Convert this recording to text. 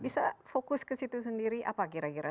bisa fokus ke situ sendiri apa kira kira